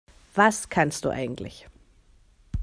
Was kannst du eigentlich?